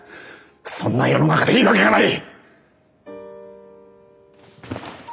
そんな世の中でいいわけがない！